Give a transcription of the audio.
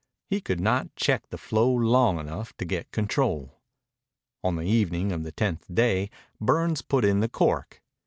He could not check the flow long enough to get control. On the evening of the tenth day Burns put in the cork.